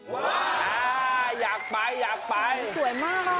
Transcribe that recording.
อ่าอยากไปอยากไปสวยมากค่ะ